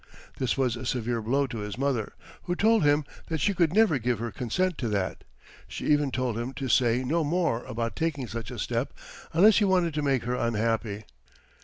This was a severe blow to his mother, who told him that she could never give her consent to that. She even told him to say no more about taking such a step unless he wanted to make her unhappy.